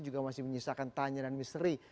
juga masih menyisakan tanya dan misteri